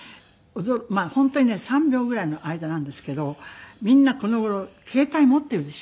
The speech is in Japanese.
まあ本当にね３秒ぐらいの間なんですけどみんなこの頃携帯持っているでしょ。